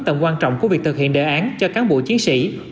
tầm quan trọng của việc thực hiện đề án cho cán bộ chiến sĩ